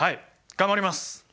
頑張ります。